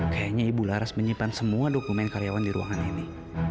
kayaknya ibu laras menyimpan semua dokumen karyawan di ruangan ini